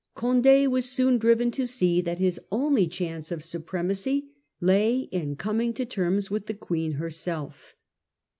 Conde was soon driven to see that his only chance of supremacy lay in coming to terms with the Queen herself.